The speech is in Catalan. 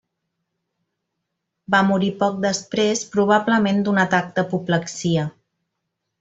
Va morir poc després, probablement d'un atac d'apoplexia.